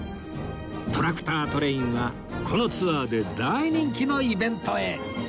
トラクタートレインはこのツアーで大人気のイベントへ！